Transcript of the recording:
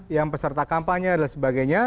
yang peserta kampanye dan sebagainya